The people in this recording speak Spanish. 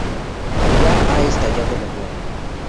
Ya ha estallado la guerra.